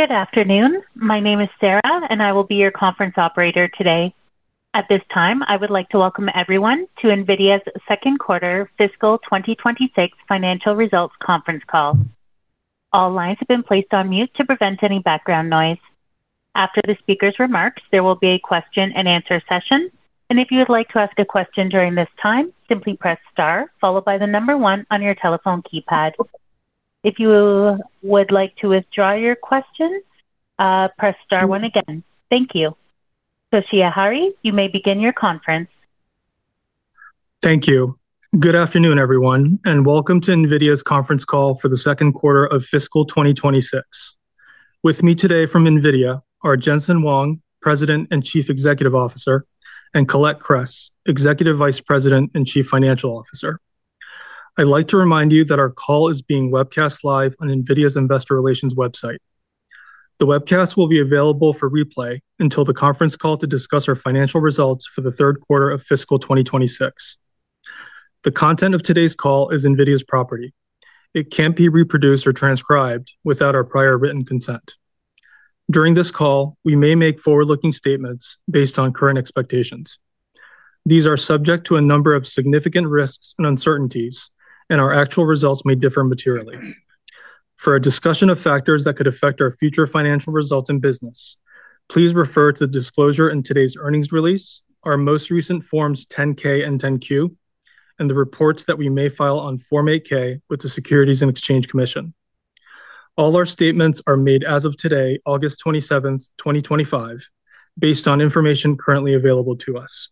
Good afternoon. My name is Sarah, and I will be your conference operator today. At this time, I would like to welcome everyone to NVIDIA's second quarter fiscal 2026 financial results conference call. All lines have been placed on mute to prevent any background noise. After the speakers' remarks, there will be a question and answer session. If you would like to ask a question during this time, simply press star, followed by the number one on your telephone keypad. If you would like to withdraw your question, press star one again. Thank you. Toshiya Hari, you may begin your conference. Thank you. Good afternoon, everyone, and welcome to NVIDIA's conference call for the second quarter of fiscal 2026. With me today from NVIDIA are Jensen Huang, President and Chief Executive Officer, and Colette Kress, Executive Vice President and Chief Financial Officer. I'd like to remind you that our call is being webcast live on NVIDIA's investor relations website. The webcast will be available for replay until the conference call to discuss our financial results for the third quarter of fiscal 2026. The content of today's call is NVIDIA's property. It can't be reproduced or transcribed without our prior written consent. During this call, we may make forward-looking statements based on current expectations. These are subject to a number of significant risks and uncertainties, and our actual results may differ materially. For a discussion of factors that could affect our future financial results and business, please refer to the disclosure in today's earnings release, our most recent Forms 10-K and 10-Q, and the reports that we may file on Form 8-K with the Securities and Exchange Commission. All our statements are made as of today, August 27th, 2025, based on information currently available to us.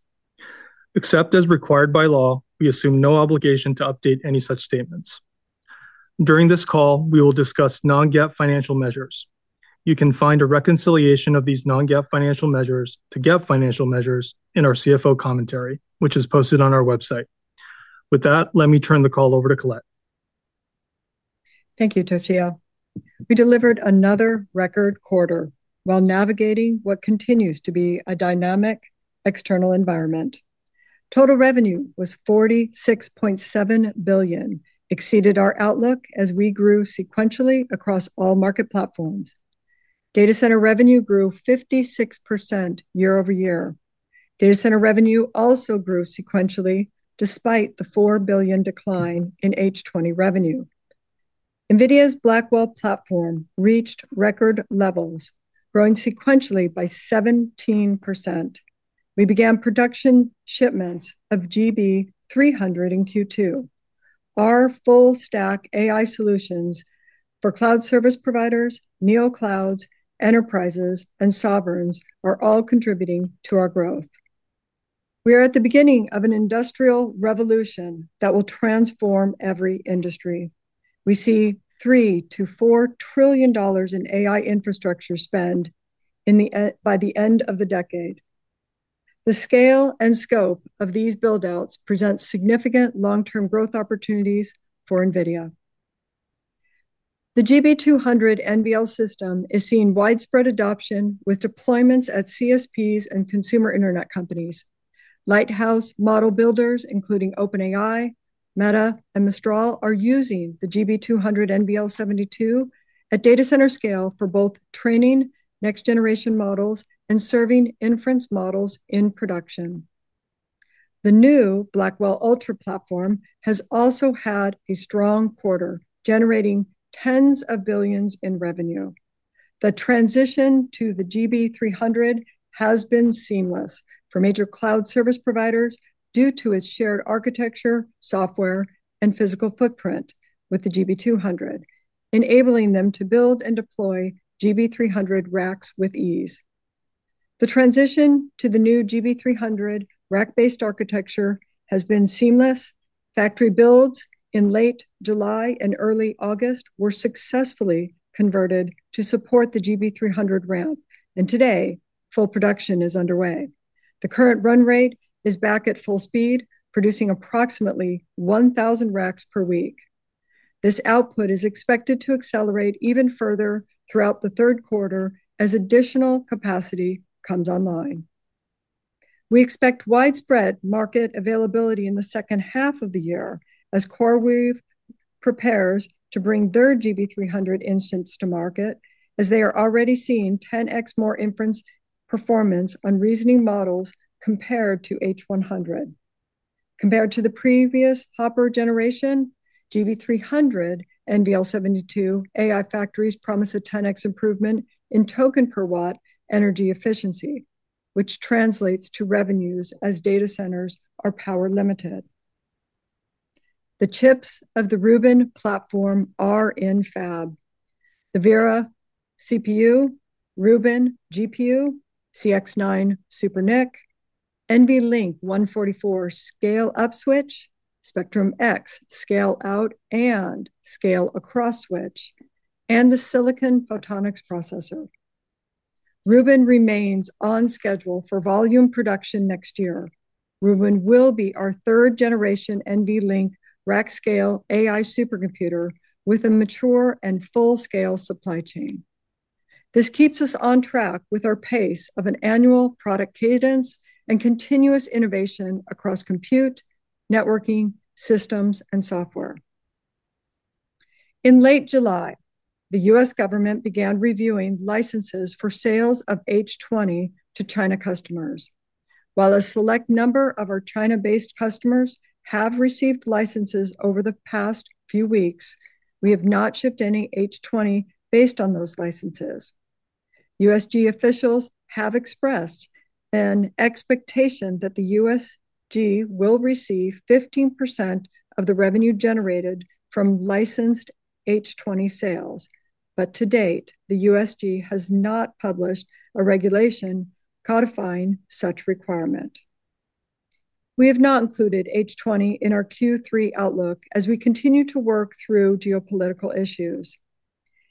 Except as required by law, we assume no obligation to update any such statements. During this call, we will discuss non-GAAP financial measures. You can find a reconciliation of these non-GAAP financial measures to GAAP financial measures in our CFO commentary, which is posted on our website. With that, let me turn the call over to Colette. Thank you, Toshiya. We delivered another record quarter while navigating what continues to be a dynamic external environment. Total revenue was $46.7 billion, exceeded our outlook as we grew sequentially across all market platforms. Data center revenue grew 56% year over year. Data center revenue also grew sequentially despite the $4 billion decline in H20 revenue. NVIDIA's Blackwell platform reached record levels, growing sequentially by 17%. We began production shipments of GB300 in Q2. Our full-stack AI solutions for cloud service providers, NeoClouds, enterprises, and sovereigns are all contributing to our growth. We are at the beginning of an industrial revolution that will transform every industry. We see $3 to $4 trillion in AI infrastructure spend by the end of the decade. The scale and scope of these buildouts present significant long-term growth opportunities for NVIDIA. The GB200 NVL system is seeing widespread adoption with deployments at CSPs and consumer internet companies. Lighthouse model builders, including OpenAI, Meta, and Mistral, are using the GB200 NVL72 at data center scale for both training next-generation models and serving inference models in production. The new Blackwell Ultra platform has also had a strong quarter, generating tens of billions in revenue. The transition to the GB300 has been seamless for major cloud service providers due to its shared architecture, software, and physical footprint with the GB200, enabling them to build and deploy GB300 racks with ease. The transition to the new GB300 rack-based architecture has been seamless. Factory builds in late July and early August were successfully converted to support the GB300 ramp, and today, full production is underway. The current run rate is back at full speed, producing approximately 1,000 racks per week. This output is expected to accelerate even further throughout the third quarter as additional capacity comes online. We expect widespread market availability in the second half of the year as CoreWeave prepares to bring third GB300 instance to market, as they are already seeing 10x more inference performance on reasoning models compared to H100. Compared to the previous Hopper generation, GB300 NVL72 AI factories promise a 10x improvement in token per watt energy efficiency, which translates to revenues as data centers are power limited. The chips of the Rubin platform are in fab. The Vera CPU, Rubin GPU, CX9 SuperNIC, NVLink 144 Scale Up switch, Spectrum X Scale Out and Scale Across switch, and the Silicon Photonics processor. Rubin remains on schedule for volume production next year. Rubin will be our third generation NVLink rack scale AI supercomputer with a mature and full-scale supply chain. This keeps us on track with our pace of an annual product cadence and continuous innovation across compute, networking, systems, and software. In late July, the U.S. government began reviewing licenses for sales of H20 to China customers. While a select number of our China-based customers have received licenses over the past few weeks, we have not shipped any H20 based on those licenses. USG officials have expressed an expectation that the USG will receive 15% of the revenue generated from licensed H20 sales, but to date, the USG has not published a regulation codifying such requirement. We have not included H20 in our Q3 outlook as we continue to work through geopolitical issues.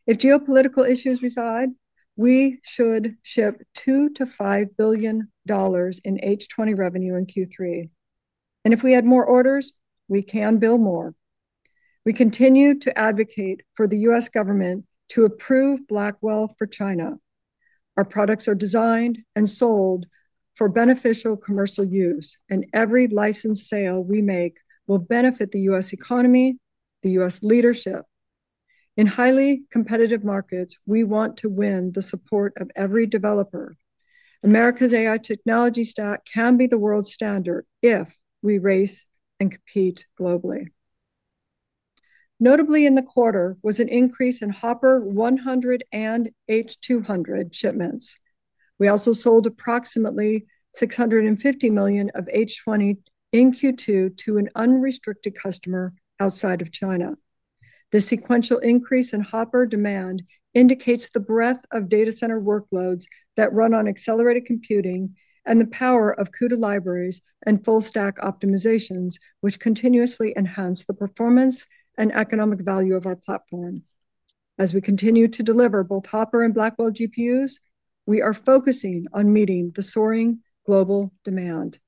If geopolitical issues reside, we should ship $2 billion-$5 billion in H20 revenue in Q3. If we add more orders, we can bill more. We continue to advocate for the U.S. government to approve Blackwell for China. Our products are designed and sold for beneficial commercial use, and every license sale we make will benefit the U.S. economy, the U.S. leadership. In highly competitive markets, we want to win the support of every developer. America's AI technology stack can be the world standard if we race and compete globally. Notably in the quarter was an increase in H100 and H200 shipments. We also sold approximately $650 million of H20 in Q2 to an unrestricted customer outside of China. The sequential increase in Hopper demand indicates the breadth of data center workloads that run on accelerated computing and the power of CUDA libraries and full stack optimizations, which continuously enhance the performance and economic value of our platform. As we continue to deliver both Hopper and Blackwell GPUs, we are focusing on meeting the soaring global demand.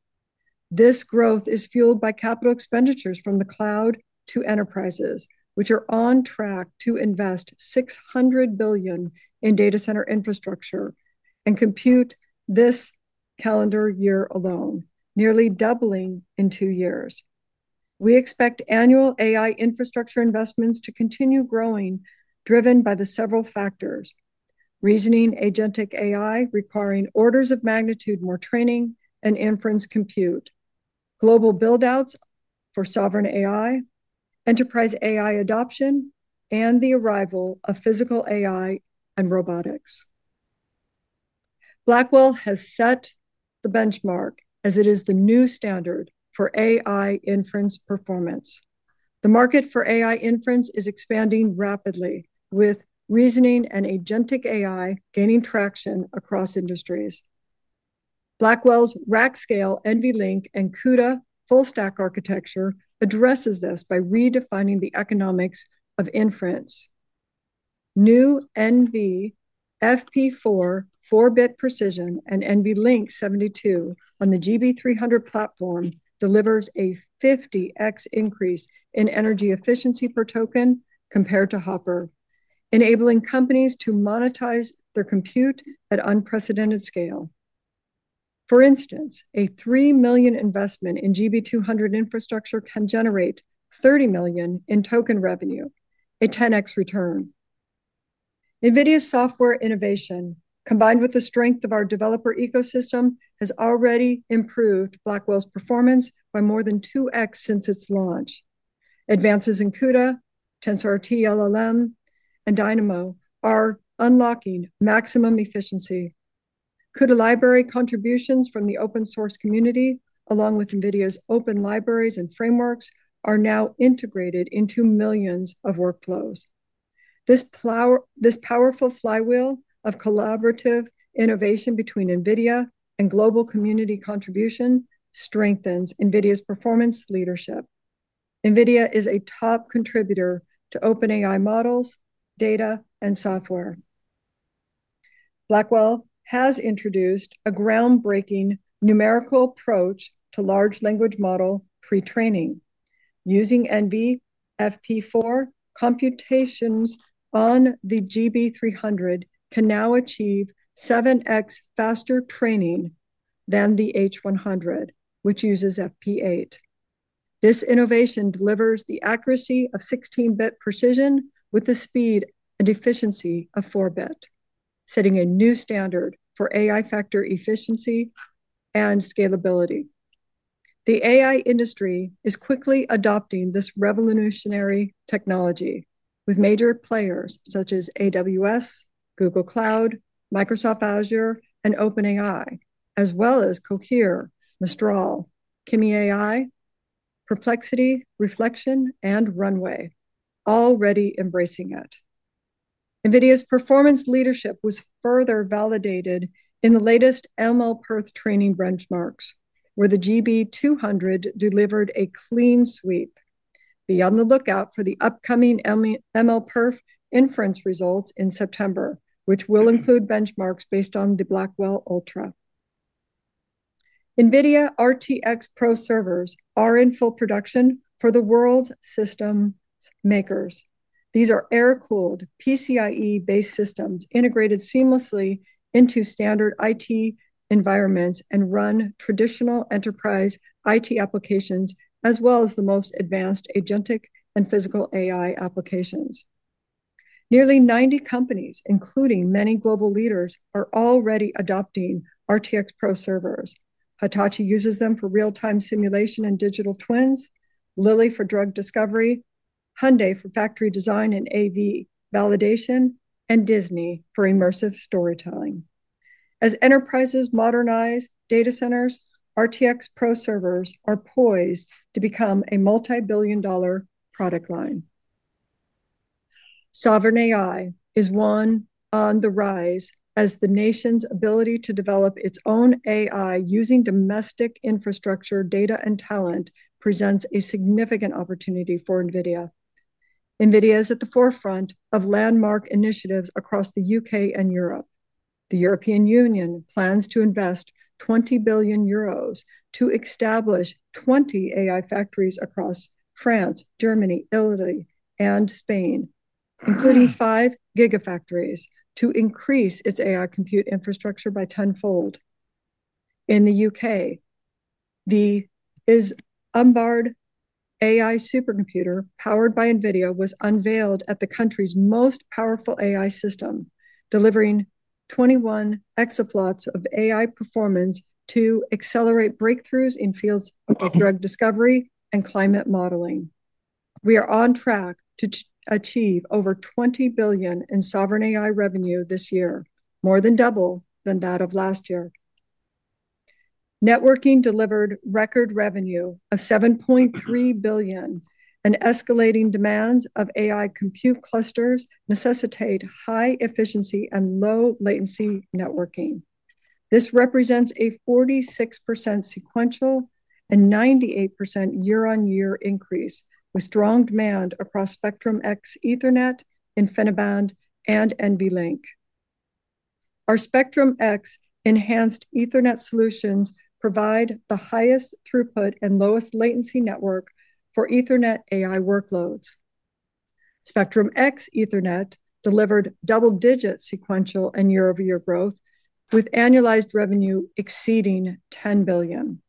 This growth is fueled by capital expenditures from the cloud to enterprises, which are on track to invest $600 billion in data center infrastructure and compute this calendar year alone, nearly doubling in two years. We expect annual AI infrastructure investments to continue growing, driven by the several factors. Reasoning agentic AI requiring orders of magnitude more training and inference compute, global buildouts for sovereign AI, enterprise AI adoption, and the arrival of physical AI and robotics. Blackwell has set the benchmark as it is the new standard for AI inference performance. The market for AI inference is expanding rapidly, with reasoning and agentic AI gaining traction across industries. Blackwell's rack scale NVLink and CUDA full stack architecture address this by redefining the economics of inference. New NVFP4 4-bit precision and NVLink 72 on the GB300 platform deliver a 50x increase in energy efficiency per token compared to Hopper, enabling companies to monetize their compute at unprecedented scale. For instance, a $3 million investment in GB200 infrastructure can generate $30 million in token revenue, a 10x return. NVIDIA's software innovation, combined with the strength of our developer ecosystem, has already improved Blackwell's performance by more than 2x since its launch. Advances in CUDA, TensorRT-LLM, and Dynamo are unlocking maximum efficiency. CUDA library contributions from the open source community, along with NVIDIA's open libraries and frameworks, are now integrated into millions of workflows. This powerful flywheel of collaborative innovation between NVIDIA and global community contribution strengthens NVIDIA's performance leadership. NVIDIA is a top contributor to OpenAI models, data, and software. Blackwell has introduced a groundbreaking numerical approach to large language model pre-training. Using NVFP4 computations on the GB300 can now achieve 7x faster training than the H100, which uses FP8. This innovation delivers the accuracy of 16-bit precision with the speed and efficiency of 4-bit, setting a new standard for AI factor efficiency and scalability. The AI industry is quickly adopting this revolutionary technology with major players such as AWS, Google Cloud, Microsoft Azure, and OpenAI, as well as Cohere, Mistral, Kimi AI, Perplexity, Inflection, and Runway, already embracing it. NVIDIA's performance leadership was further validated in the latest MLPerf training benchmarks, where the GB200 delivered a clean sweep. Be on the lookout for the upcoming MLPerf inference results in September, which will include benchmarks based on the Blackwell Ultra. NVIDIA RTX Pro servers are in full production for the world's system makers. These are air-cooled PCIe-based systems integrated seamlessly into standard IT environments and run traditional enterprise IT applications, as well as the most advanced agentic and physical AI applications. Nearly 90 companies, including many global leaders, are already adopting RTX Pro servers. Hitachi uses them for real-time simulation and digital twins, Lilly for drug discovery, Hyundai for factory design and AV validation, and Disney for immersive storytelling. As enterprises modernize data centers, RTX Pro servers are poised to become a multi-billion dollar product line. Sovereign AI is one on the rise as the nation's ability to develop its own AI using domestic infrastructure, data, and talent presents a significant opportunity for NVIDIA. NVIDIA is at the forefront of landmark initiatives across the UK and Europe. The European Union plans to invest 20 billion euros to establish 20 AI factories across France, Germany, Italy, and Spain, including five gigafactories to increase its AI compute infrastructure by tenfold. In the UK, the Isambard AI supercomputer powered by NVIDIA was unveiled as the country's most powerful AI system, delivering 21 exaflops of AI performance to accelerate breakthroughs in fields of drug discovery and climate modeling. We are on track to achieve over $20 billion in sovereign AI revenue this year, more than double that of last year. Networking delivered record revenue of $7.3 billion, and escalating demands of AI compute clusters necessitate high efficiency and low latency networking. This represents a 46% sequential and 98% year-on-year increase, with strong demand across Spectrum X Ethernet, InfiniBand, and NVLink. Our Spectrum X enhanced Ethernet solutions provide the highest throughput and lowest latency network for Ethernet AI workloads. Spectrum X Ethernet delivered double-digit sequential and year-over-year growth, with annualized revenue exceeding $10 billion.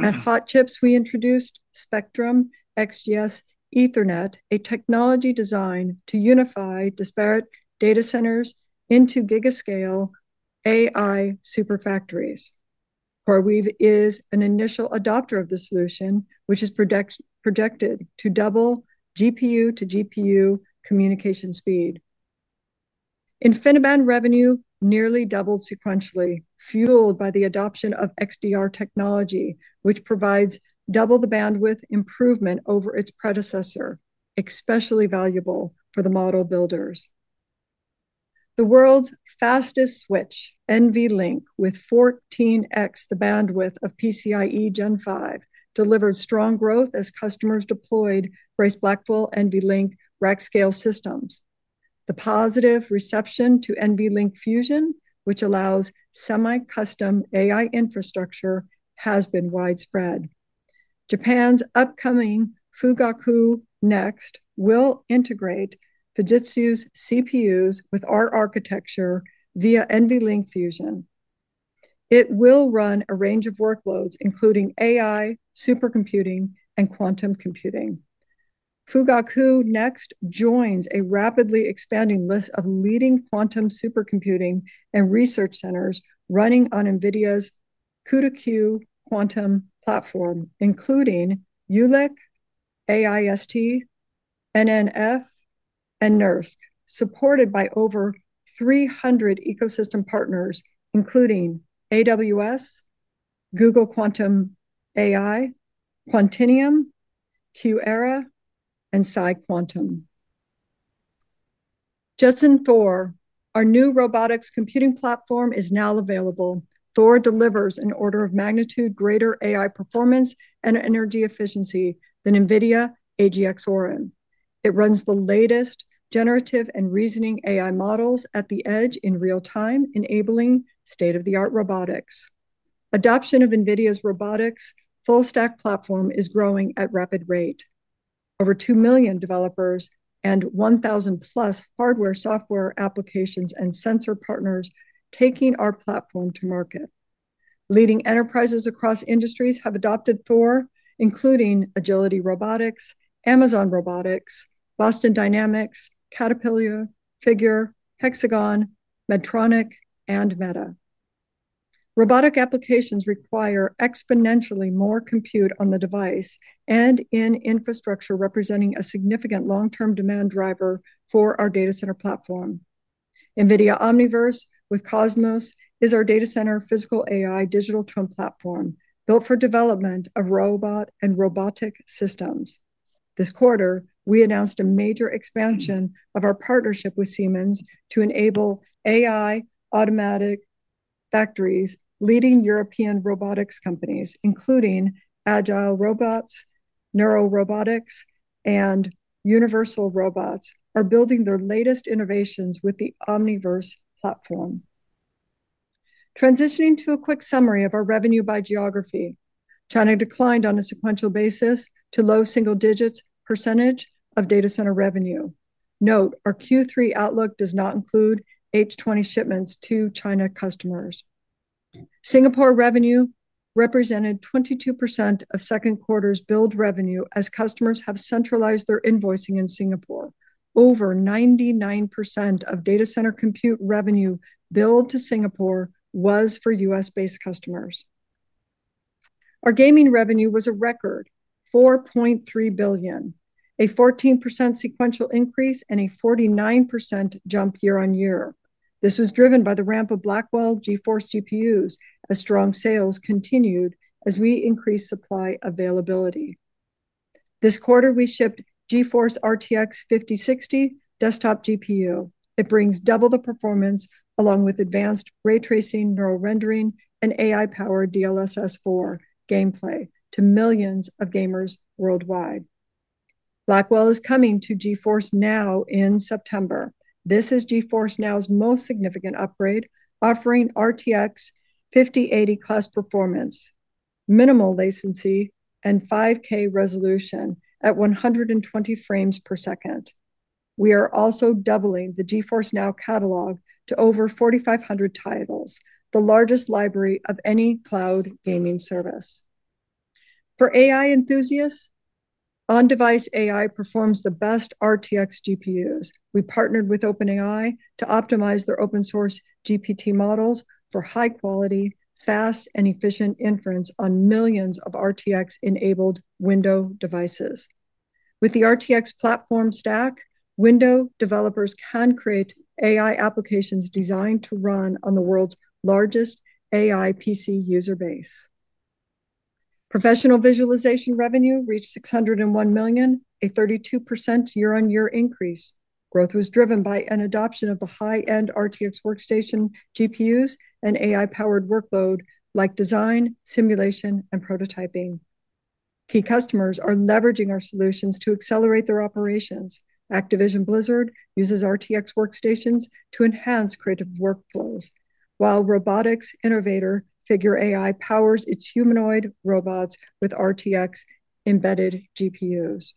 At Hot Chips, we introduced Spectrum XGS Ethernet, a technology designed to unify disparate data centers into gigascale AI superfactories. CoreWeave is an initial adopter of the solution, which is projected to double GPU-to-GPU communication speed. InfiniBand revenue nearly doubled sequentially, fueled by the adoption of XDR technology, which provides double the bandwidth improvement over its predecessor, especially valuable for the model builders. The world's fastest switch, NVLink, with 14x the bandwidth of PCIe Gen 5, delivered strong growth as customers deployed Grace Blackwell NVLink rack scale systems. The positive reception to NVLink Fusion, which allows semi-custom AI infrastructure, has been widespread. Japan's upcoming FugakuNEXT will integrate Fujitsu's CPUs with our architecture via NVLink Fusion. It will run a range of workloads, including AI, supercomputing, and quantum computing. FugakuNEXT joins a rapidly expanding list of leading quantum supercomputing and research centers running on NVIDIA's CUDA-Q quantum platform, including Ulric, AIST, NNF, and NERSC, supported by over 300 ecosystem partners, including AWS, Google Quantum AI, Quantinuum, QuEra, and SEEQ C quantum. Just in, Thor, our new robotics computing platform, is now available. Thor delivers an order of magnitude greater AI performance and energy efficiency than NVIDIA AGX Orin. It runs the latest generative and reasoning AI models at the edge in real time, enabling state-of-the-art robotics. Adoption of NVIDIA's robotics full stack platform is growing at a rapid rate. Over 2 million developers and 1,000 plus hardware, software applications, and sensor partners are taking our platform to market. Leading enterprises across industries have adopted Thor, including Agility Robotics, Amazon Robotics, Boston Dynamics, Caterpillar, Figure, Hexagon, Medtronic, and Meta. Robotic applications require exponentially more compute on the device and in infrastructure, representing a significant long-term demand driver for our data center platform. NVIDIA Omniverse with Cosmos is our data center physical AI digital twin platform built for development of robot and robotic systems. This quarter, we announced a major expansion of our partnership with Siemens to enable AI automatic factories. Leading European robotics companies, including Agile Robots, NeuroRobotics, and Universal Robots, are building their latest innovations with the Omniverse platform. Transitioning to a quick summary of our revenue by geography, China declined on a sequential basis to low single-digit percentage of data center revenue. Note, our Q3 outlook does not include H20 shipments to China customers. Singapore revenue represented 22% of second quarter's billed revenue as customers have centralized their invoicing in Singapore. Over 99% of data center compute revenue billed to Singapore was for U.S.-based customers. Our gaming revenue was a record $4.3 billion, a 14% sequential increase and a 49% jump year on year. This was driven by the ramp of Blackwell GeForce GPUs, as strong sales continued as we increased supply availability. This quarter, we shipped GeForce RTX 5060 desktop GPU. It brings double the performance, along with advanced ray tracing, neural rendering, and AI-powered DLSS 4 gameplay to millions of gamers worldwide. Blackwell is coming to GeForce NOW in September. This is GeForce NOW's most significant upgrade, offering RTX 5080 class performance, minimal latency, and 5K resolution at 120 frames per second. We are also doubling the GeForce NOW catalog to over 4,500 titles, the largest library of any cloud gaming service. For AI enthusiasts, on-device AI performs the best RTX GPUs. We partnered with OpenAI to optimize their open source GPT models for high quality, fast, and efficient inference on millions of RTX-enabled Windows devices. With the RTX platform stack, Windows developers can create AI applications designed to run on the world's largest AI PC user base. Professional visualization revenue reached $601 million, a 32% year-on-year increase. Growth was driven by an adoption of the high-end RTX workstation GPUs and AI-powered workload like design, simulation, and prototyping. Key customers are leveraging our solutions to accelerate their operations. Activision Blizzard uses RTX workstations to enhance creative workflows, while robotics innovator Figure AI powers its humanoid robots with RTX embedded GPUs.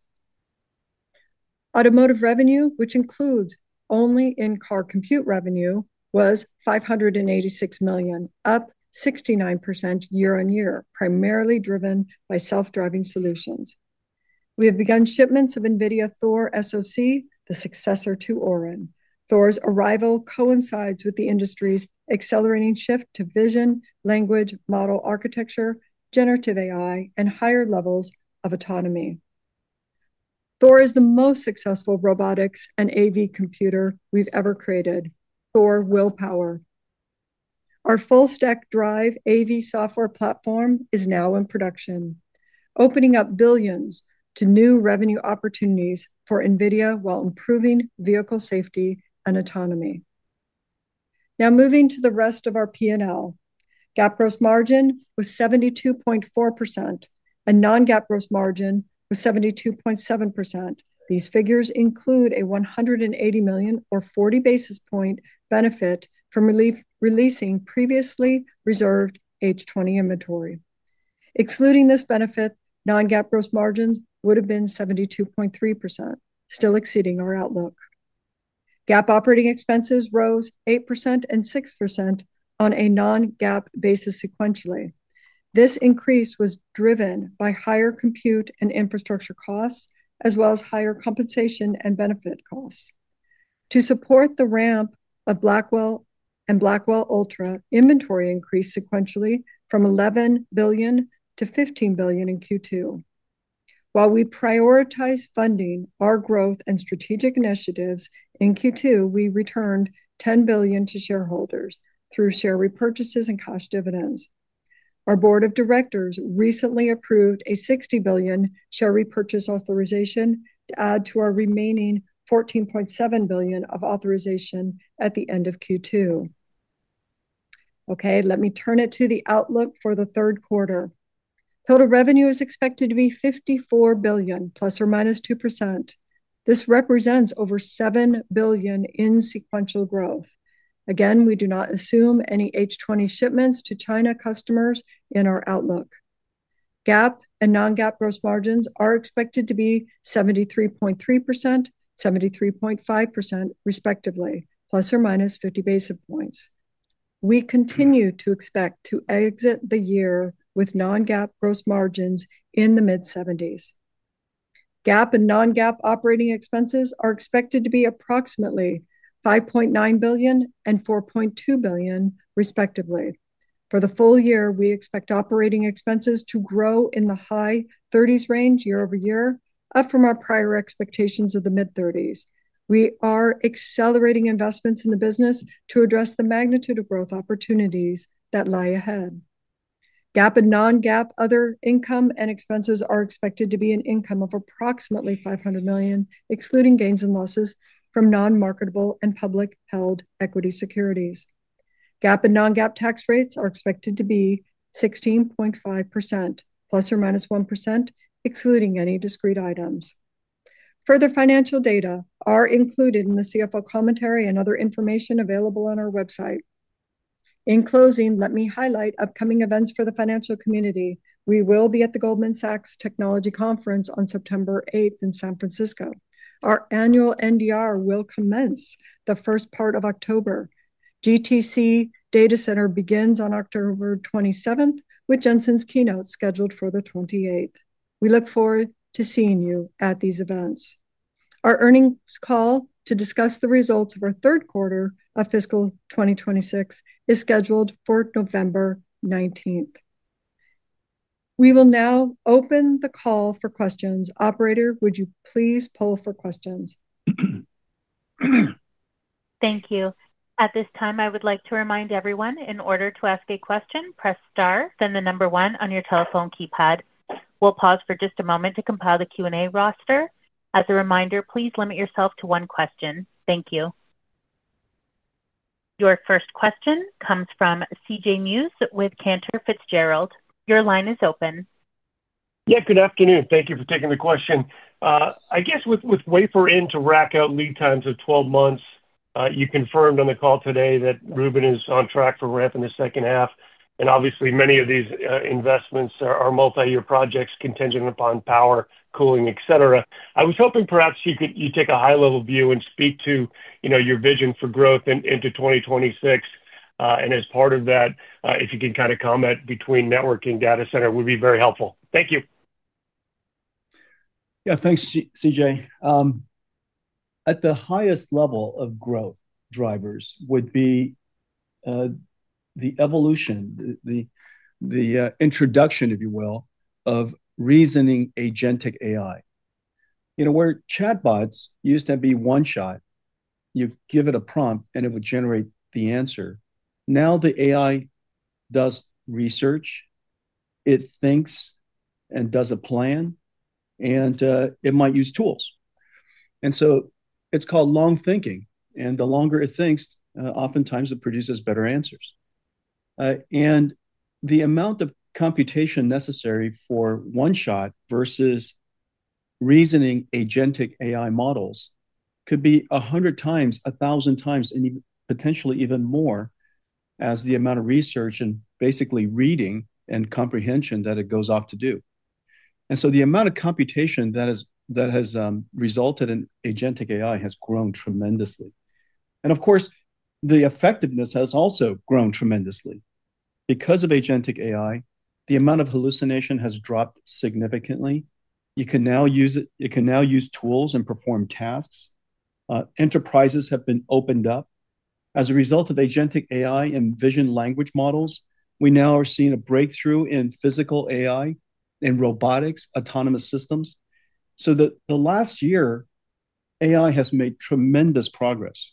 Automotive revenue, which includes only in-car compute revenue, was $586 million, up 69% year on year, primarily driven by self-driving solutions. We have begun shipments of NVIDIA Thor SoC, the successor to Orin. Thor's arrival coincides with the industry's accelerating shift to vision, language, model architecture, generative AI, and higher levels of autonomy. Thor is the most successful robotics and AV computer we've ever created. Thor will power our full stack DRIVE AV software platform, which is now in production, opening up billions to new revenue opportunities for NVIDIA while improving vehicle safety and autonomy. Now moving to the rest of our P&L, GAAP gross margin was 72.4% and non-GAAP gross margin was 72.7%. These figures include a $180 million or 40 basis point benefit from releasing previously reserved H20 inventory. Excluding this benefit, non-GAAP gross margins would have been 72.3%, still exceeding our outlook. GAAP operating expenses rose 8% and 6% on a non-GAAP basis sequentially. This increase was driven by higher compute and infrastructure costs, as well as higher compensation and benefit costs. To support the ramp of Blackwell and Blackwell Ultra, inventory increased sequentially from $11 billion-$15 billion in Q2. While we prioritized funding our growth and strategic initiatives, in Q2, we returned $10 billion to shareholders through share repurchases and cash dividends. Our Board of Directors recently approved a $60 billion share repurchase authorization to add to our remaining $14.7 billion of authorization at the end of Q2. OK, let me turn to the outlook for the third quarter. Total revenue is expected to be $54 billion, plus or minus 2%. This represents over $7 billion in sequential growth. Again, we do not assume any H20 shipments to China customers in our outlook. GAAP and non-GAAP gross margins are expected to be 73.3% and 73.5% respectively, plus or minus 50 basis points. We continue to expect to exit the year with non-GAAP gross margins in the mid-70s. GAAP and non-GAAP operating expenses are expected to be approximately $5.9 billion and $4.2 billion respectively. For the full year, we expect operating expenses to grow in the high 30s range year over year, up from our prior expectations of the mid-30s. We are accelerating investments in the business to address the magnitude of growth opportunities that lie ahead. GAAP and non-GAAP other income and expenses are expected to be an income of approximately $500 million, excluding gains and losses from non-marketable and public-held equity securities. GAAP and non-GAAP tax rates are expected to be 16.5%, plus or minus 1%, excluding any discrete items. Further financial data are included in the CFO commentary and other information available on our website. In closing, let me highlight upcoming events for the financial community. We will be at the Goldman Sachs Technology Conference on September 8th in San Francisco. Our annual NDR will commence the first part of October. GTC Data Center begins on October 27th, with Jensen's keynote scheduled for the 28th. We look forward to seeing you at these events. Our earnings call to discuss the results of our third quarter of fiscal 2026 is scheduled for November 19th. We will now open the call for questions. Operator, would you please poll for questions? Thank you. At this time, I would like to remind everyone, in order to ask a question, press star, then the number one on your telephone keypad. We'll pause for just a moment to compile the Q&A roster. As a reminder, please limit yourself to one question. Thank you. Your first question comes from C.J. Muse with Cantor Fitzgerald. Your line is open. Yes, good afternoon. Thank you for taking the question. I guess with wafer in to rack out lead times of 12 months, you confirmed on the call today that Rubin is on track for ramping the second half. Obviously, many of these investments are multi-year projects contingent upon power, cooling, et cetera. I was hoping perhaps you could take a high-level view and speak to your vision for growth into 2026. As part of that, if you can kind of comment between networking data center, it would be very helpful. Thank you. Yeah. Thanks, C.J. At the highest level, the growth drivers would be the evolution, the introduction, if you will, of reasoning agentic AI. You know, where chatbots used to be one shot, you give it a prompt, and it would generate the answer. Now the AI does research, it thinks, and does a plan, and it might use tools. It is called long thinking. The longer it thinks, oftentimes it produces better answers. The amount of computation necessary for one shot versus reasoning agentic AI models could be 100 times, 1,000 times, and potentially even more as the amount of research and basically reading and comprehension that it goes off to do increases. The amount of computation that has resulted in agentic AI has grown tremendously. Of course, the effectiveness has also grown tremendously. Because of agentic AI, the amount of hallucination has dropped significantly. You can now use it. You can now use tools and perform tasks. Enterprises have been opened up. As a result of agentic AI and vision language models, we now are seeing a breakthrough in physical AI, in robotics, autonomous systems. Over the last year, AI has made tremendous progress.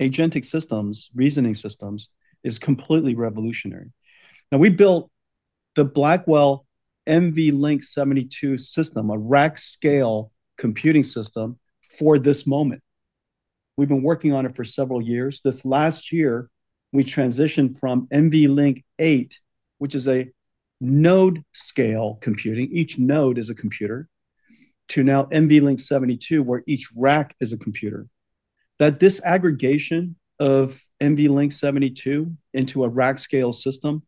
Agentic systems, reasoning systems, are completely revolutionary. Now, we built the Blackwell NVLink 72 system, a rack scale computing system for this moment. We've been working on it for several years. This last year, we transitioned from NVLink 8, which is a node scale computing. Each node is a computer to now NVLink 72, where each rack is a computer. That disaggregation of NVLink 72 into a rack scale system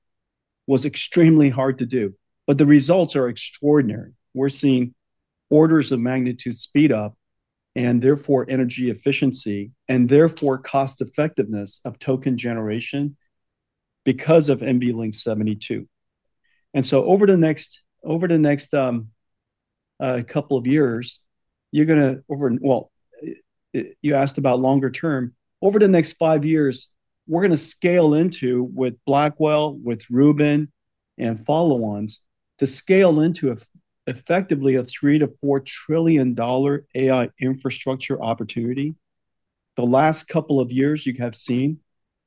was extremely hard to do. The results are extraordinary. We're seeing orders of magnitude speed up and therefore energy efficiency and therefore cost effectiveness of token generation because of NVLink 72. Over the next couple of years, you're going to, you asked about longer term. Over the next five years, we're going to scale into, with Blackwell, with Rubin, and follow-ons, to scale into effectively a $3 trillion-$4 trillion AI infrastructure opportunity. The last couple of years, you have seen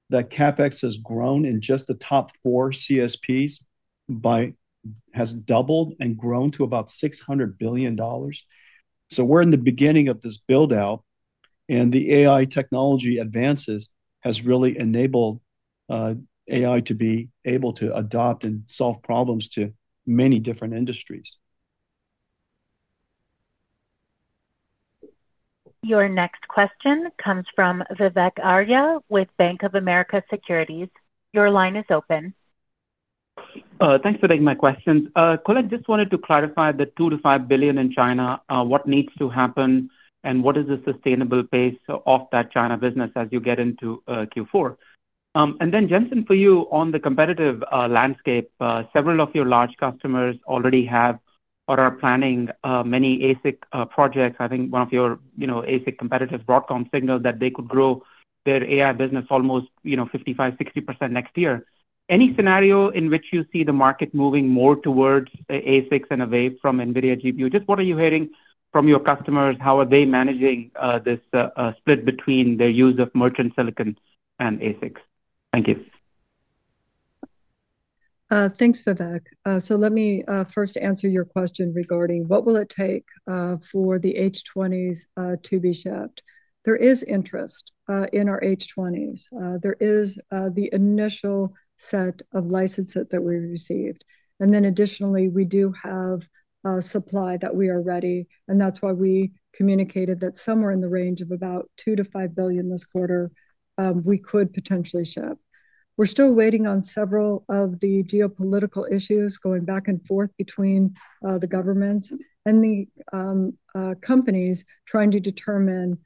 that CapEx has grown in just the top four CSPs by double and grown to about $600 billion. We are in the beginning of this buildout. The AI technology advances have really enabled AI to be able to adopt and solve problems to many different industries. Your next question comes from Vivek Arya with Bank of America Securities. Your line is open. Thanks for taking my questions. Colette, just wanted to clarify the $2 to $5 billion in China, what needs to happen, and what is the sustainable pace of that China business as you get into Q4? Jensen, for you on the competitive landscape, several of your large customers already have or are planning many ASIC projects. I think one of your ASIC competitors, Broadcom, signaled that they could grow their AI business almost 55%, 60% next year. Any scenario in which you see the market moving more towards ASIC and away from NVIDIA GPU? Just what are you hearing from your customers? How are they managing this split between their use of merchant silicon and ASIC? Thank you. Thanks, Vivek. Let me first answer your question regarding what it will take for the H20s to be shipped. There is interest in our H20s. There is the initial set of licenses that we received. Additionally, we do have a supply that we are ready. That is why we communicated that somewhere in the range of about $2 billion to $5 billion this quarter, we could potentially ship. We are still waiting on several of the geopolitical issues going back and forth between the governments and the companies trying to determine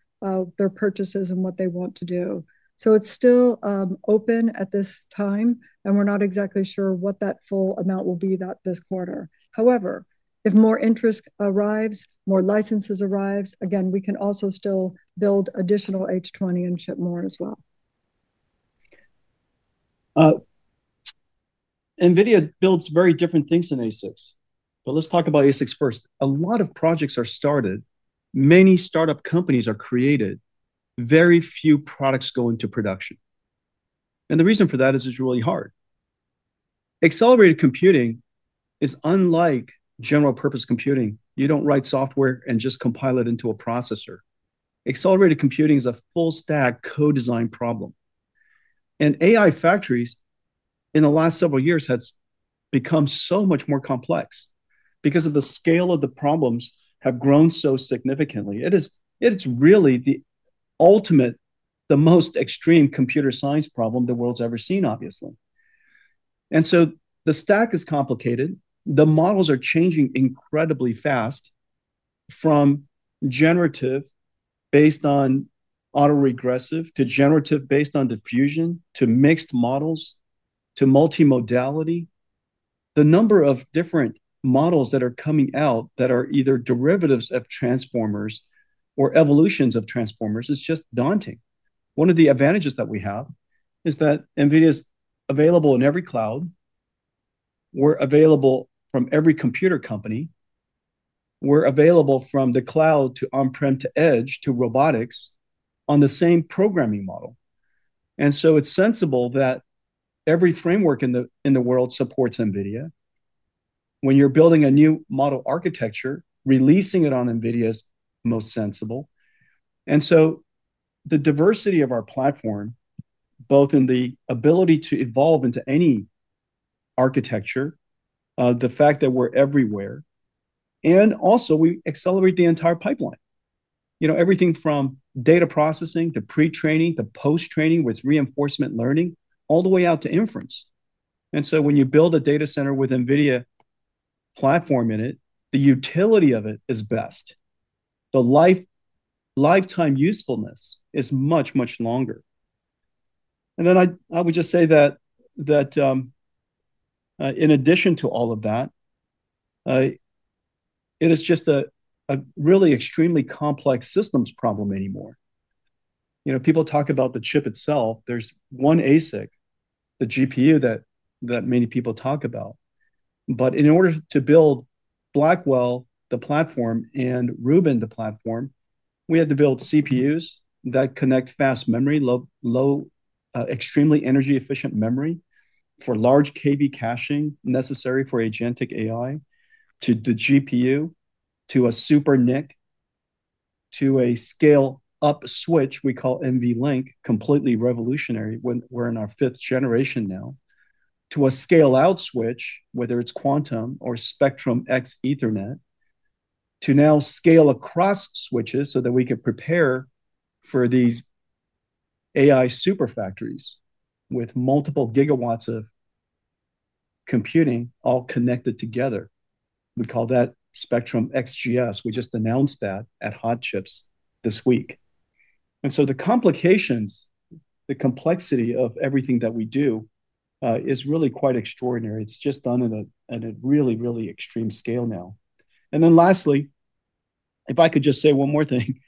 their purchases and what they want to do. It is still open at this time, and we are not exactly sure what that full amount will be this quarter. However, if more interest arrives, more licenses arrive, we can also still build additional H20 and ship more as well. NVIDIA builds very different things than ASIC. Let's talk about ASIC first. A lot of projects are started. Many startup companies are created. Very few products go into production. The reason for that is it's really hard. Accelerated computing is unlike general purpose computing. You don't write software and just compile it into a processor. Accelerated computing is a full stack co-design problem. AI factories, in the last several years, have become so much more complex because the scale of the problems has grown so significantly. It is really the ultimate, the most extreme computer science problem the world's ever seen, obviously. The stack is complicated. The models are changing incredibly fast from generative based on autoregressive to generative based on diffusion to mixed models to multimodality. The number of different models that are coming out that are either derivatives of transformers or evolutions of transformers is just daunting. One of the advantages that we have is that NVIDIA is available in every cloud. We're available from every computer company. We're available from the cloud to on-prem to edge to robotics on the same programming model. It's sensible that every framework in the world supports NVIDIA. When you're building a new model architecture, releasing it on NVIDIA is most sensible. The diversity of our platform, both in the ability to evolve into any architecture, the fact that we're everywhere, and also we accelerate the entire pipeline. Everything from data processing to pre-training to post-training with reinforcement learning, all the way out to inference. When you build a data center with NVIDIA platform in it, the utility of it is best. The lifetime usefulness is much, much longer. In addition to all of that, it is just a really extremely complex systems problem anymore. People talk about the chip itself. There's one ASIC, the GPU that many people talk about. In order to build Blackwell, the platform, and Rubin, the platform, we had to build CPUs that connect fast memory, low, extremely energy-efficient memory for large KV caching necessary for agentic AI to the GPU to a SuperNIC to a scale-up switch we call NVLink, completely revolutionary when we're in our fifth generation now, to a scale-out switch, whether it's Quantum or Spectrum X Ethernet, to now scale across switches so that we could prepare for these AI superfactories with multiple gigawatts of computing all connected together. We call that Spectrum XGS. We just announced that at Hot Chips this week. The complications, the complexity of everything that we do is really quite extraordinary. It's just done at a really, really extreme scale now. Lastly, if I could just say one more thing,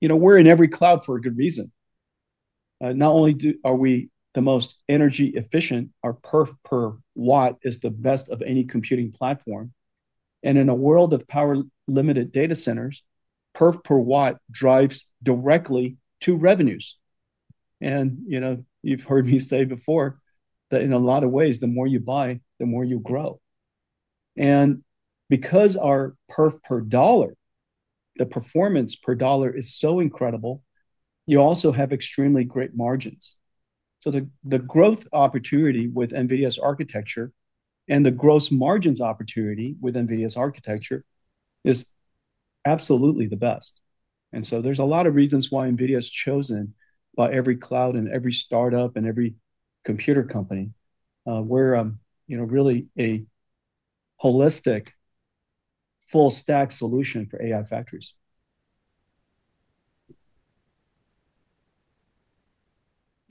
you know, we're in every cloud for a good reason. Not only are we the most energy efficient, our perf per watt is the best of any computing platform. In a world of power-limited data centers, perf per watt drives directly to revenues. You've heard me say before that in a lot of ways, the more you buy, the more you grow. Because our perf per dollar, the performance per dollar is so incredible, you also have extremely great margins. The growth opportunity with NVIDIA's architecture and the gross margins opportunity with NVIDIA's architecture is absolutely the best. There are a lot of reasons why NVIDIA is chosen by every cloud and every startup and every computer company. We're really a holistic full stack solution for AI factories.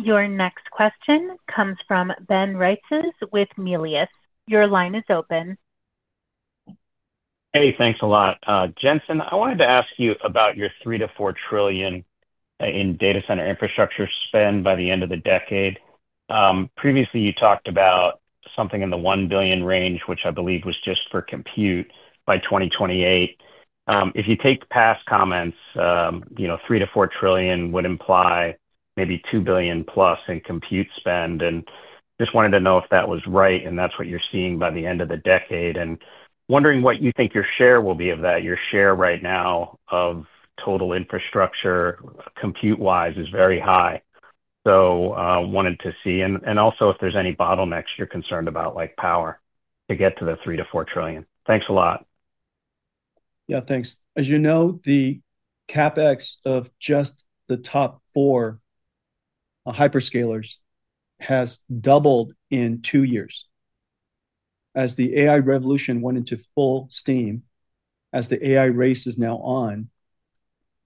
Your next question comes from Ben Reitzes with Barclays. Your line is open. Hey, thanks a lot. Jensen, I wanted to ask you about your $3 trillion-$4 trillion in data center infrastructure spend by the end of the decade. Previously, you talked about something in the $1 billion range, which I believe was just for compute by 2028. If you take past comments, $3 trillion-$4 trillion would imply maybe $2 billion plus in compute spend. I just wanted to know if that was right and that's what you're seeing by the end of the decade. I'm wondering what you think your share will be of that. Your share right now of total infrastructure compute-wise is very high. I wanted to see if there's any bottlenecks you're concerned about, like power, to get to the $3 trillion-$4 trillion. Thanks a lot. Yeah, thanks. As you know, the CapEx of just the top four hyperscalers has doubled in two years. As the AI revolution went into full steam, as the AI race is now on,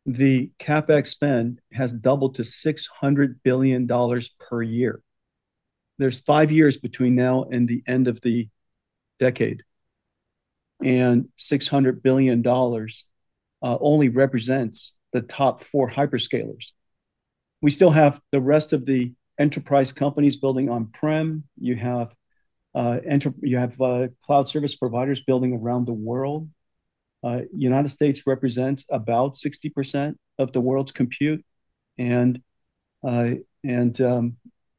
the CapEx spend has doubled to $600 billion per year. There are five years between now and the end of the decade. $600 billion only represents the top four hyperscalers. We still have the rest of the enterprise companies building on-prem. You have cloud service providers building around the world. The United States represents about 60% of the world's compute.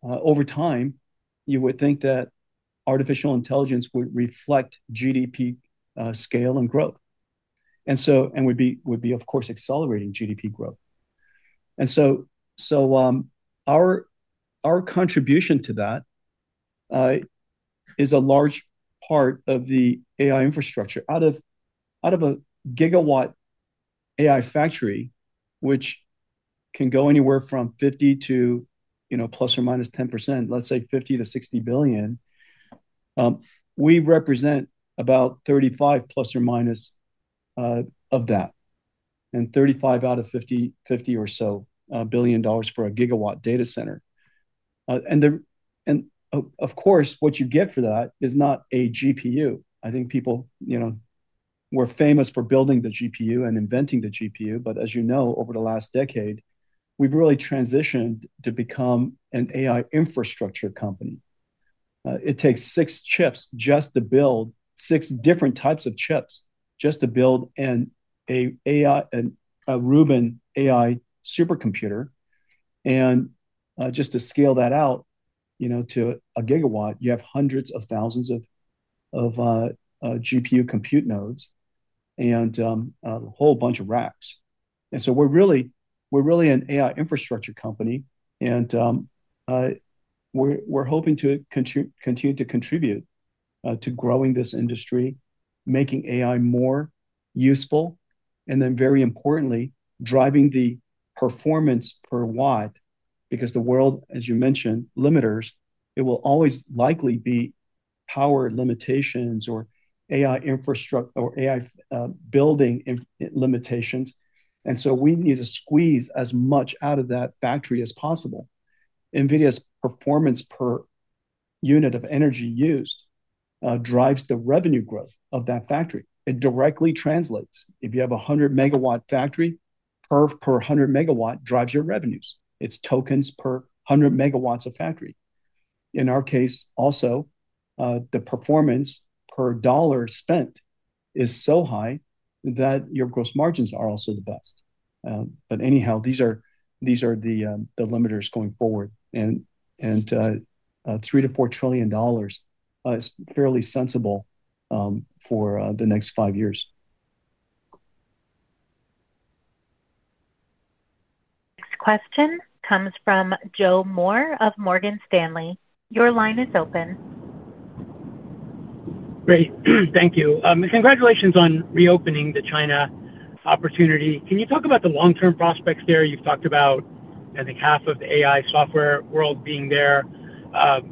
Over time, you would think that artificial intelligence would reflect GDP scale and growth. It would be, of course, accelerating GDP growth. Our contribution to that is a large part of the AI infrastructure. Out of a gigawatt AI factory, which can go anywhere from 50% to plus or minus 10%, let's say 50 billion-60 billion, we represent about 35% plus or minus of that. 35% out of 50% or so billion dollars for a gigawatt data center. What you get for that is not a GPU. I think people, you know, we're famous for building the GPU and inventing the GPU. As you know, over the last decade, we've really transitioned to become an AI infrastructure company. It takes six chips, six different types of chips, just to build an AI and a Rubin AI supercomputer. Just to scale that out to a gigawatt, you have hundreds of thousands of GPU compute nodes and a whole bunch of racks. We're really an AI infrastructure company. We're hoping to continue to contribute to growing this industry, making AI more useful, and then very importantly, driving the performance per watt because the world, as you mentioned, limiters. It will always likely be power limitations or AI infrastructure or AI building limitations. We need to squeeze as much out of that factory as possible. NVIDIA's performance per unit of energy used drives the revenue growth of that factory. It directly translates. If you have a 100 MW factory, perf per 100 MW drives your revenues. It's tokens per 100 MW of factory. In our case, also, the performance per dollar spent is so high that your gross margins are also the best. Anyhow, these are the limiters going forward. $3 trillion-$4 trillion is fairly sensible for the next five years. This question comes from Joe Moore of Morgan Stanley. Your line is open. Great. Thank you. Congratulations on reopening the China opportunity. Can you talk about the long-term prospects there? You've talked about, I think, half of the AI software world being there.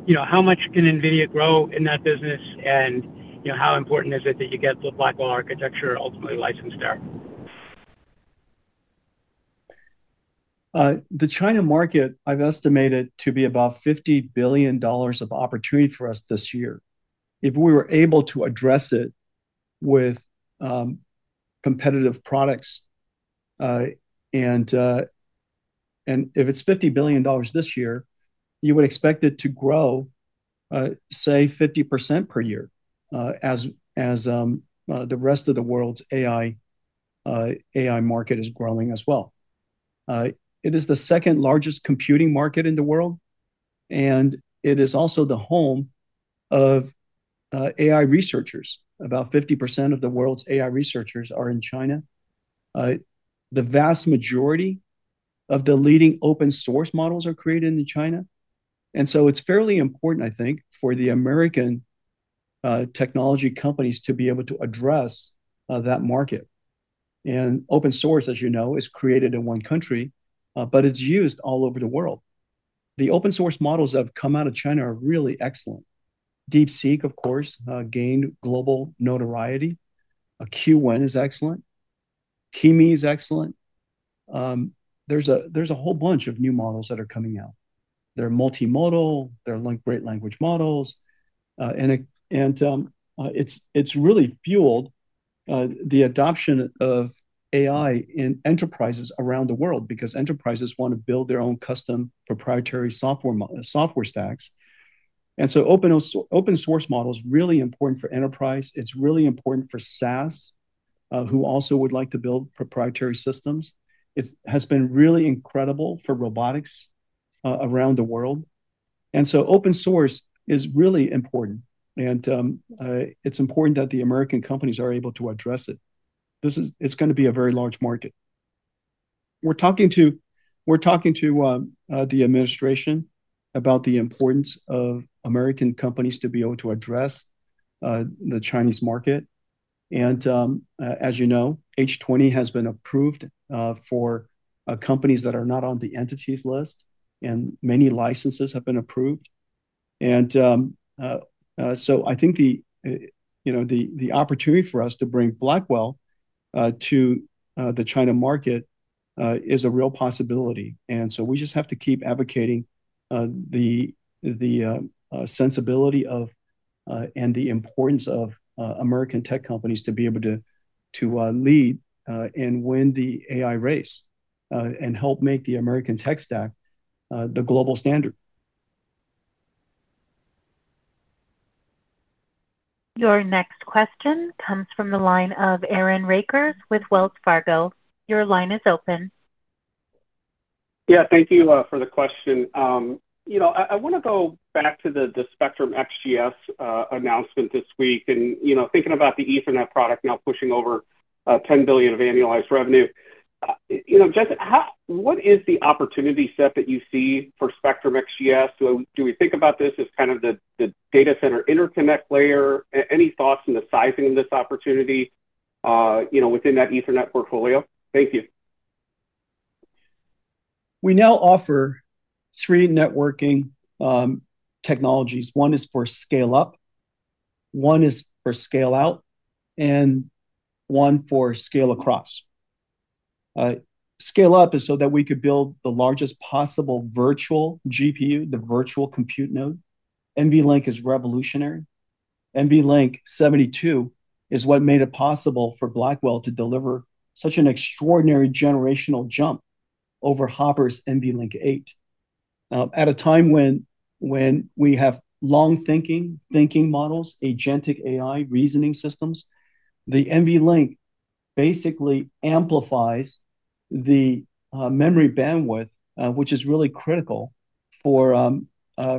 You know, how much can NVIDIA grow in that business? You know, how important is it that you get the Blackwell architecture ultimately licensed there? The China market, I've estimated, to be about $50 billion of opportunity for us this year. If we were able to address it with competitive products, and if it's $50 billion this year, you would expect it to grow, say, 50% per year as the rest of the world's AI market is growing as well. It is the second largest computing market in the world. It is also the home of AI researchers. About 50% of the world's AI researchers are in China. The vast majority of the leading open source models are created in China. It's fairly important, I think, for the American technology companies to be able to address that market. Open source, as you know, is created in one country, but it's used all over the world. The open source models that have come out of China are really excellent. DeepSeek, of course, gained global notoriety. Qwen is excellent. Kimi is excellent. There's a whole bunch of new models that are coming out. They're multimodal. They're great language models. It's really fueled the adoption of AI in enterprises around the world because enterprises want to build their own custom proprietary software stacks. Open source model is really important for enterprise. It's really important for SaaS, who also would like to build proprietary systems. It has been really incredible for robotics around the world. Open source is really important. It's important that the American companies are able to address it. It's going to be a very large market. We're talking to the administration about the importance of American companies to be able to address the Chinese market. As you know, H20 has been approved for companies that are not on the entities list. Many licenses have been approved. I think the opportunity for us to bring Blackwell to the China market is a real possibility. We just have to keep advocating the sensibility and the importance of American tech companies to be able to lead and win the AI race and help make the American tech stack the global standard. Your next question comes from the line of Aaron Rakers with Wells Fargo. Your line is open. Yeah, thank you for the question. I want to go back to the Spectrum XGS announcement this week. Thinking about the Ethernet product now pushing over $10 billion of annualized revenue, Jensen, what is the opportunity set that you see for Spectrum XGS? Do we think about this as kind of the data center interconnect layer? Any thoughts on the sizing of this opportunity within that Ethernet portfolio? Thank you. We now offer three networking technologies. One is for scale-up, one is for scale-out, and one for scale across. Scale-up is so that we could build the largest possible virtual GPU, the virtual compute node. NVLink is revolutionary. NVLink 72 is what made it possible for Blackwell to deliver such an extraordinary generational jump over Hopper's NVLink 8. At a time when we have long thinking models, agentic AI reasoning systems, the NVLink basically amplifies the memory bandwidth, which is really critical for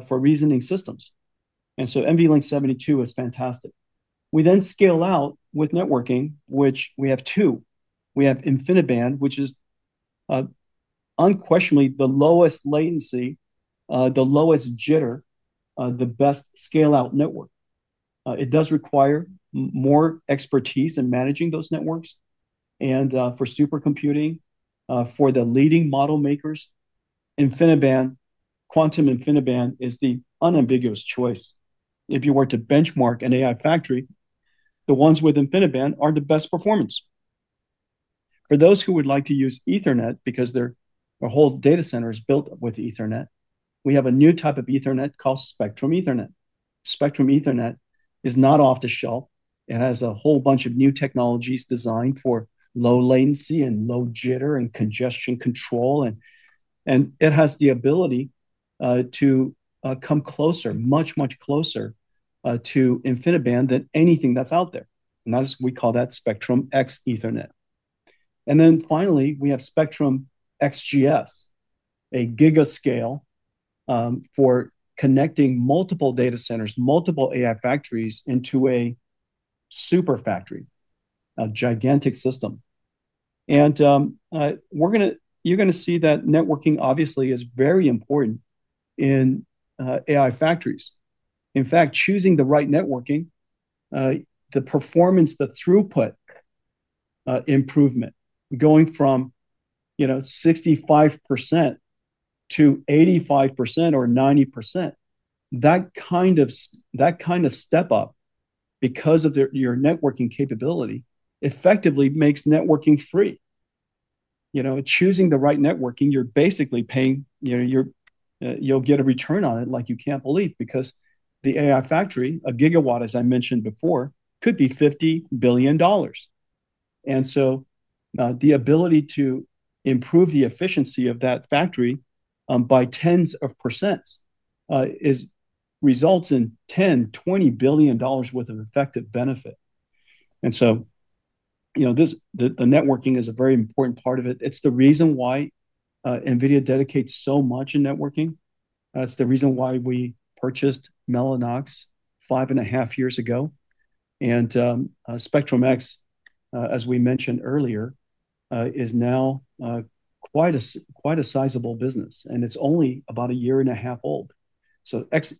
reasoning systems. NVLink 72 is fantastic. We then scale out with networking, which we have two. We have InfiniBand, which is unquestionably the lowest latency, the lowest jitter, the best scale-out network. It does require more expertise in managing those networks. For supercomputing, for the leading model makers, InfiniBand, Quantum InfiniBand is the unambiguous choice. If you were to benchmark an AI factory, the ones with InfiniBand are the best performance. For those who would like to use Ethernet because our whole data center is built with Ethernet, we have a new type of Ethernet called Spectrum Ethernet. Spectrum Ethernet is not off the shelf. It has a whole bunch of new technologies designed for low latency and low jitter and congestion control. It has the ability to come closer, much, much closer to InfiniBand than anything that's out there. That's what we call Spectrum X Ethernet. Finally, we have Spectrum XGS, a gigascale for connecting multiple data centers, multiple AI factories into a super factory, a gigantic system. You're going to see that networking obviously is very important in AI factories. In fact, choosing the right networking, the performance, the throughput improvement, going from 65%-85% or 90%, that kind of step up because of your networking capability effectively makes networking free. You know, choosing the right networking, you're basically paying, you'll get a return on it like you can't believe because the AI factory, a gigawatt, as I mentioned before, could be $50 billion. The ability to improve the efficiency of that factory by tens of percentage results in $10 billion, $20 billion worth of effective benefit. The networking is a very important part of it. It's the reason why NVIDIA dedicates so much in networking. It's the reason why we purchased Mellanox five and a half years ago. Spectrum X, as we mentioned earlier, is now quite a sizable business, and it's only about a year and a half old.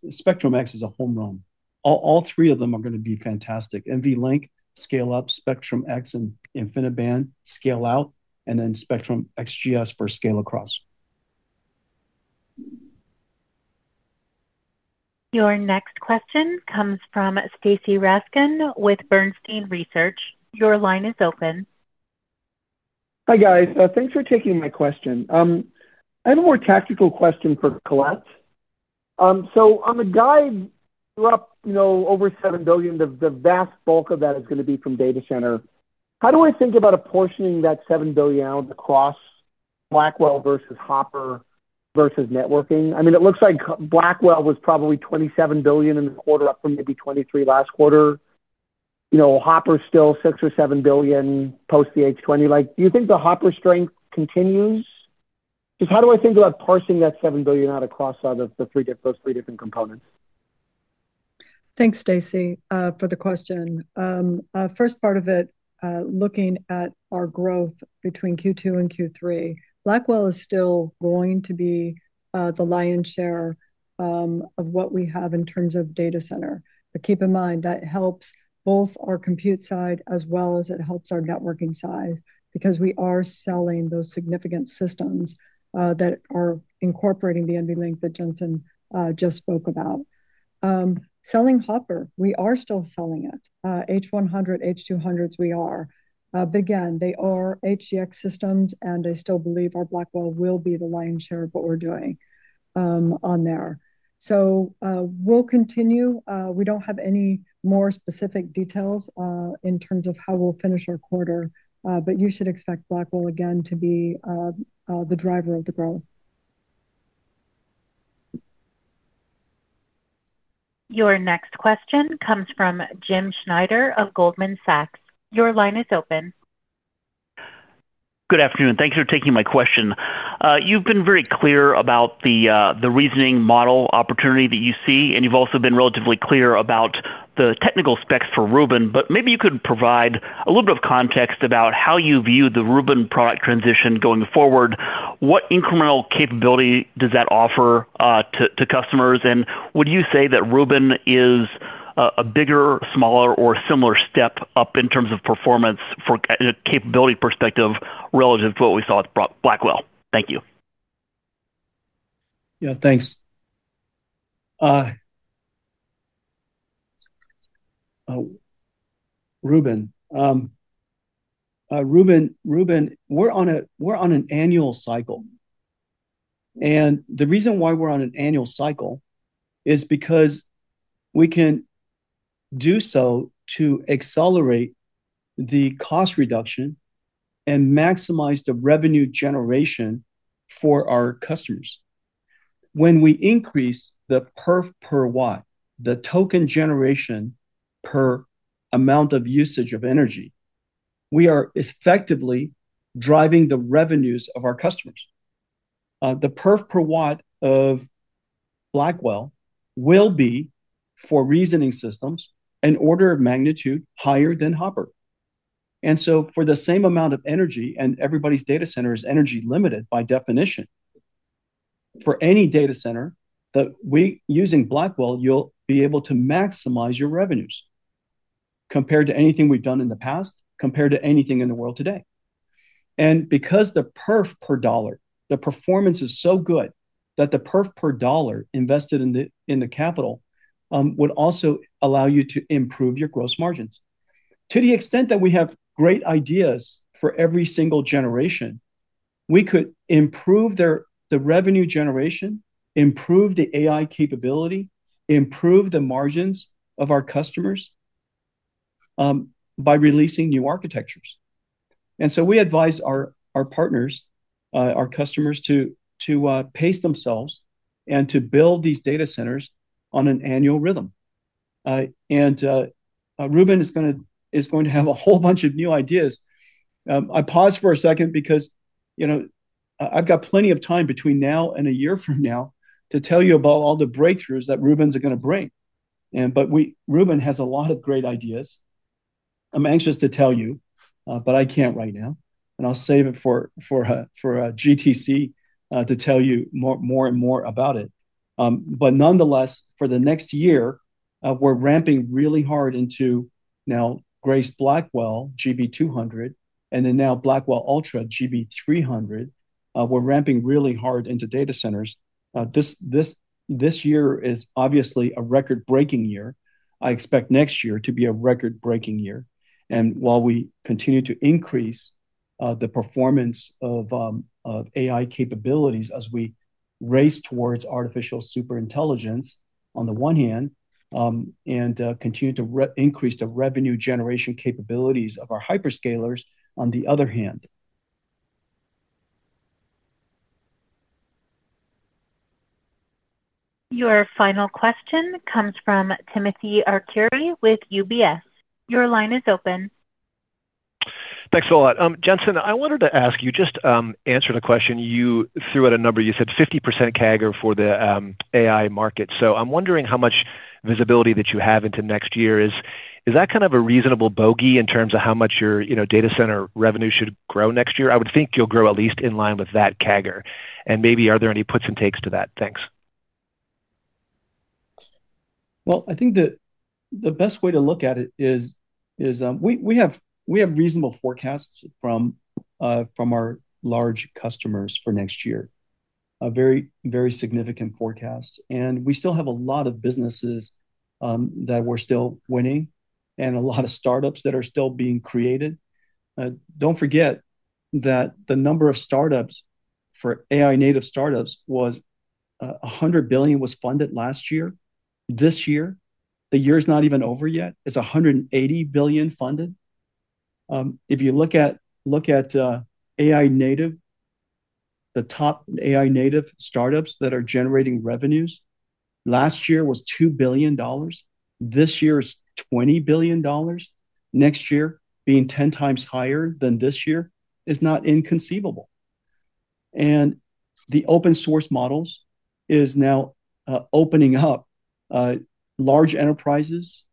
Spectrum X is a home run. All three of them are going to be fantastic: NVLink, scale up; Spectrum X and InfiniBand, scale out; and then Spectrum XGS for scale across. Your next question comes from Stacy Rasgon with Bernstein Research. Your line is open. Hi, guys. Thanks for taking my question. I have a more tactical question for Colette. On the dive up, you know, over $7 billion, the vast bulk of that is going to be from data center. How do I think about apportioning that $7 billion out across Blackwell versus Hopper versus networking? It looks like Blackwell was probably $27 billion in the quarter, up from maybe $23 billion last quarter. Hopper is still $6 or $7 billion post the H20. Do you think the Hopper strength continues? How do I think about parsing that $7 billion out across those three different components? Thanks, Stacy, for the question. First part of it, looking at our growth between Q2 and Q3, Blackwell is still going to be the lion's share of what we have in terms of data center. Keep in mind, that helps both our compute side as well as it helps our networking side because we are selling those significant systems that are incorporating the NVLink that Jensen just spoke about. Selling Hopper, we are still selling it. H100, H200s, we are. They are HGX systems, and I still believe our Blackwell will be the lion's share of what we're doing on there. We don't have any more specific details in terms of how we'll finish our quarter. You should expect Blackwell, again, to be the driver of the growth. Your next question comes from Jim Schneider of Goldman Sachs. Your line is open. Good afternoon. Thanks for taking my question. You've been very clear about the reasoning model opportunity that you see. You've also been relatively clear about the technical specs for Rubin. Maybe you could provide a little bit of context about how you view the Rubin product transition going forward. What incremental capability does that offer to customers? Would you say that Rubin is a bigger, smaller, or similar step up in terms of performance from a capability perspective relative to what we saw at Blackwell? Thank you. Yeah, thanks. Rubin, we're on an annual cycle. The reason why we're on an annual cycle is because we can do so to accelerate the cost reduction and maximize the revenue generation for our customers. When we increase the perf per watt, the token generation per amount of usage of energy, we are effectively driving the revenues of our customers. The perf per watt of Blackwell will be, for reasoning systems, an order of magnitude higher than Hopper. For the same amount of energy, and everybody's data center is energy limited by definition, for any data center that we're using Blackwell, you'll be able to maximize your revenues compared to anything we've done in the past, compared to anything in the world today. Because the perf per dollar, the performance is so good that the perf per dollar invested in the capital would also allow you to improve your gross margins. To the extent that we have great ideas for every single generation, we could improve the revenue generation, improve the AI capability, improve the margins of our customers by releasing new architectures. We advise our partners, our customers, to pace themselves and to build these data centers on an annual rhythm. Rubin is going to have a whole bunch of new ideas. I paused for a second because I've got plenty of time between now and a year from now to tell you about all the breakthroughs that Rubin is going to bring. Rubin has a lot of great ideas. I'm anxious to tell you, but I can't right now. I'll save it for GTC to tell you more and more about it. Nonetheless, for the next year, we're ramping really hard into now Grace Blackwell, GB200, and then now Blackwell Ultra, GB300. We're ramping really hard into data centers. This year is obviously a record-breaking year. I expect next year to be a record-breaking year. While we continue to increase the performance of AI capabilities as we race towards artificial superintelligence on the one hand and continue to increase the revenue generation capabilities of our hyperscalers on the other hand. Your final question comes from Timothy Arcuri with UBS. Your line is open. Thanks a lot. Jensen, I wanted to ask you just to answer the question you threw at a number. You said 50% CAGR for the AI market. I'm wondering how much visibility you have into next year. Is that kind of a reasonable bogey in terms of how much your data center revenue should grow next year? I would think you'll grow at least in line with that CAGR. Maybe are there any puts and takes to that? Thanks. I think the best way to look at it is we have reasonable forecasts from our large customers for next year, a very, very significant forecast. We still have a lot of businesses that we're still winning and a lot of startups that are still being created. Don't forget that the number of AI-native startups was $100 billion funded last year. This year, the year is not even over yet. It's $180 billion funded. If you look at AI-native, the top AI-native startups that are generating revenues, last year was $2 billion. This year is $20 billion. Next year being 10 times higher than this year is not inconceivable. The open source models are now opening up large enterprises,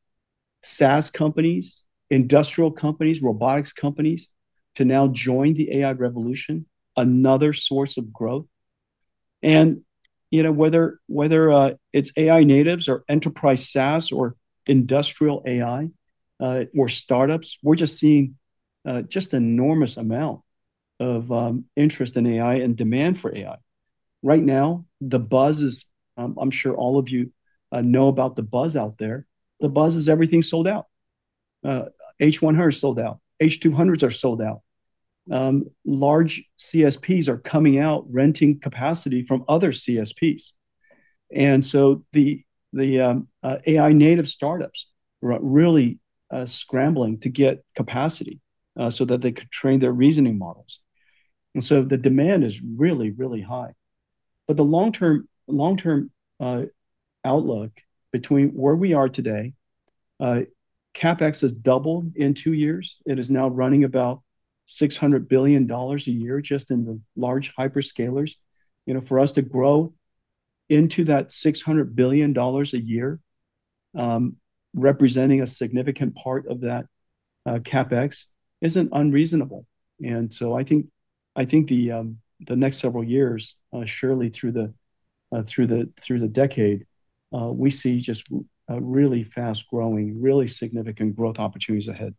SaaS companies, industrial companies, robotics companies to now join the AI revolution, another source of growth. Whether it's AI-natives or enterprise SaaS or industrial AI or startups, we're just seeing just an enormous amount of interest in AI and demand for AI. Right now, the buzz is, I'm sure all of you know about the buzz out there. The buzz is everything's sold out. H100s are sold out. H200s are sold out. Large CSPs are coming out, renting capacity from other CSPs. The AI-native startups are really scrambling to get capacity so that they could train their reasoning models. The demand is really, really high. The long-term outlook between where we are today, CapEx has doubled in two years. It is now running about $600 billion a year just in the large hyperscalers. For us to grow into that $600 billion a year, representing a significant part of that CapEx, isn't unreasonable. I think the next several years, surely through the decade, we see just really fast growing, really significant growth opportunities ahead.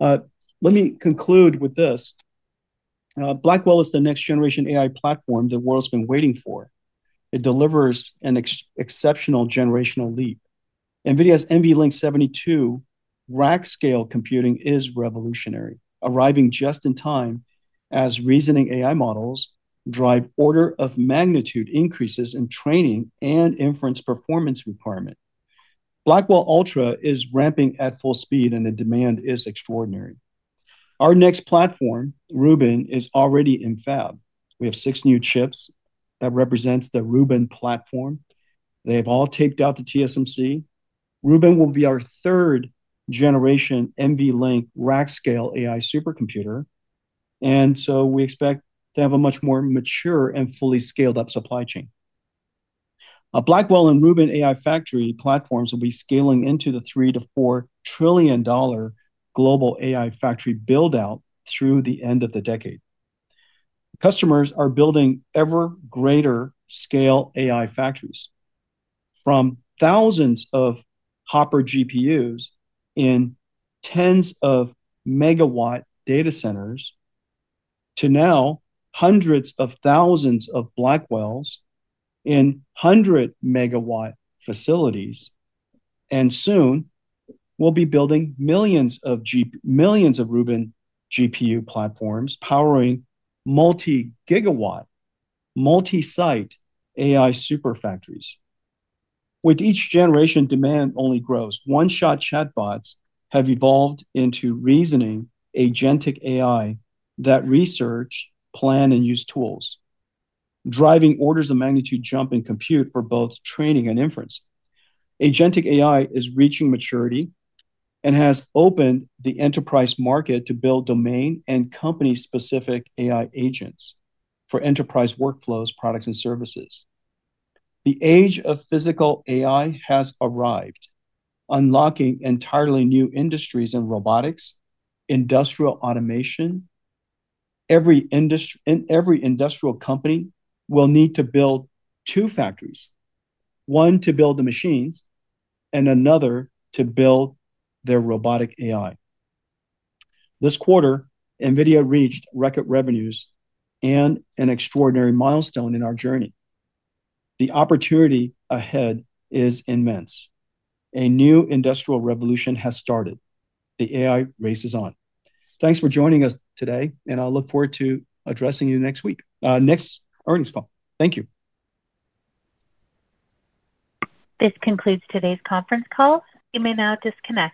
Let me conclude with this. Blackwell is the next generation AI platform the world's been waiting for. It delivers an exceptional generational leap. NVIDIA's NVLink 72 rack scale computing is revolutionary, arriving just in time as reasoning AI models drive order of magnitude increases in training and inference performance requirement. Blackwell Ultra is ramping at full speed, and the demand is extraordinary. Our next platform, Rubin, is already in fab. We have six new chips that represent the Rubin platform. They have all taped out to TSMC. Rubin will be our third generation NVLink rack scale AI supercomputer. We expect to have a much more mature and fully scaled-up supply chain. Blackwell and Rubin AI factory platforms will be scaling into the $3 trillion-$4 trillion global AI factory buildout through the end of the decade. Customers are building ever greater scale AI factories from thousands of Hopper GPUs in tens of megawatt data centers to now hundreds of thousands of Blackwells in hundred megawatt facilities. Soon we'll be building millions of Rubin GPU platforms powering multi-gigawatt, multi-site AI superfactories. With each generation, demand only grows. One-shot chatbots have evolved into reasoning agentic AI that research, plan, and use tools, driving orders of magnitude jump in compute for both training and inference. Agentic AI is reaching maturity and has opened the enterprise market to build domain and company-specific AI agents for enterprise workflows, products, and services. The age of physical AI has arrived, unlocking entirely new industries in robotics and industrial automation. Every industrial company will need to build two factories, one to build the machines and another to build their robotic AI. This quarter, NVIDIA reached record revenues and an extraordinary milestone in our journey. The opportunity ahead is immense. A new industrial revolution has started. The AI race is on. Thanks for joining us today. I look forward to addressing you next week, next earnings call. Thank you. This concludes today's conference call. You may now disconnect.